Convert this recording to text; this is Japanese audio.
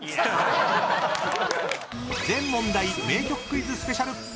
［全問題名曲クイズスペシャル］